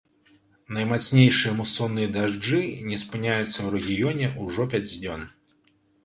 Наймацнейшыя мусонныя дажджы не спыняюцца ў рэгіёне ўжо пяць дзён.